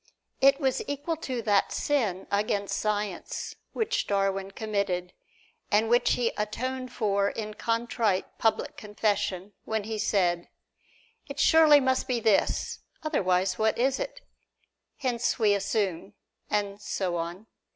It was equal to that sin against science which Darwin committed, and which he atoned for in contrite public confession, when he said: "It surely must be this, otherwise what is it? Hence we assume," and so on.